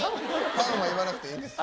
「パン！」は言わなくていいんです。